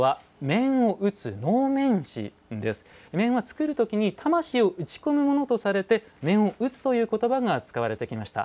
面は作るときに魂を打ち込むものとされて面を打つという言葉が使われてきました。